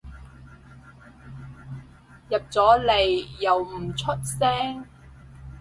入咗嚟又唔出聲